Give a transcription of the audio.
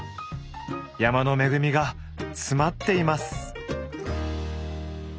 山の恵みが詰まっています。